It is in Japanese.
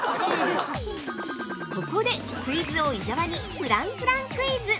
◆ここでクイズ王・伊沢にフランフランクイズ！